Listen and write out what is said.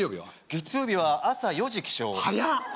月曜日は朝４時起床はやっ！